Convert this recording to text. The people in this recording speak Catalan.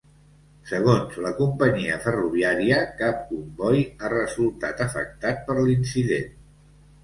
Segons la companyia ferroviària, cap comboi ha resultat afectat per l'incident.